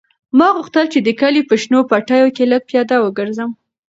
ما غوښتل چې د کلي په شنو پټیو کې لږ پیاده وګرځم.